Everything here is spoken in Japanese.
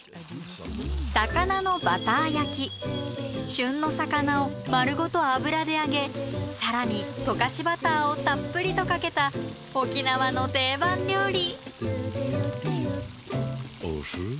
旬の魚を丸ごと油で揚げ更に溶かしバターをたっぷりとかけた沖縄の定番料理。